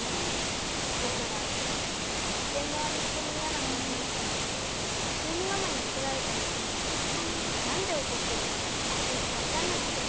だからとつぜんまわりのこにイヤなかおされてたりきゅうにママにおこられたりしてもなんでおこってるのかよくわかんなくて。